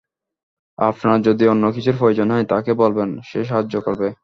আপনার যদি অন্য কিছুর প্রয়োজন হয় তাকে বলবেন, সে সাহায্য করবে।